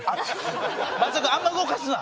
松田君あんま動かすな！